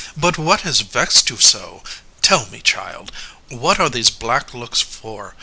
But what has vexed you so? Tell me, child. What are these black looks for?